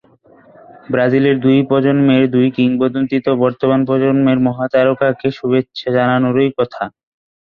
ব্রাজিলের দুই প্রজন্মের দুই কিংবদন্তির তো বর্তমান প্রজন্মের মহাতারকাকে শুভেচ্ছা জানানোরই কথা।